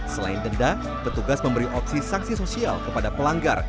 selain denda petugas memberi opsi sanksi sosial kepada pelanggar